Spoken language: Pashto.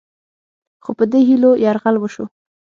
خو په دې هیلو یرغل وشو